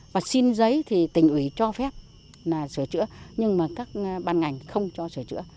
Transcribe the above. và xin giấy thì tỉnh ủy cho phép là sửa chữa nhưng mà các ban ngành không cho sửa chữa